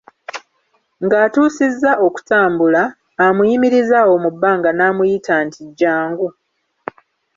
Ng'atuusizza okutambula, amuyimiriza awo mu bbanga n'amuyita nti: Jjangu.